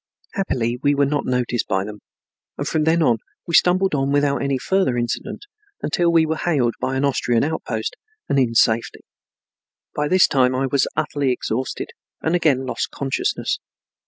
Happily we were not noticed by them, and from then we stumbled on without any further incident until we were hailed by an Austrian outpost and in safety. By this time I was utterly exhausted and again lost consciousness.